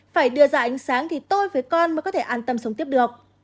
phải đưa ra ánh sáng thì tôi với con mới có thể an tâm sống tiếp được